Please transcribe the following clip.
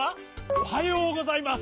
おはようございます。